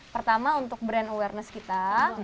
pertama untuk brand awareness kita